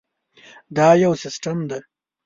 دا یو سیسټم دی.